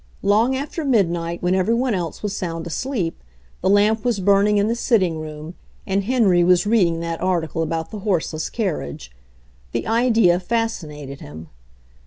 Long after midnight, when every one else was sound asleep, the lamp was burning in the sit ting room, and Henry was reading that article about the horseless carriage. The idea fascinated him.